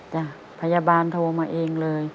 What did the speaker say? จ้ะพยาบาลโทรมาเองเลย